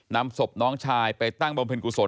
นำศพน้องชายไปตั้งบำเพ็ญกุศล